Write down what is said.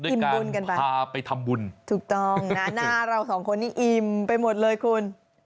อิ่มบุญกันไปพาไปทำบุญถูกต้องนะหน้าเราสองคนนี้อิ่มไปหมดเลยคุณ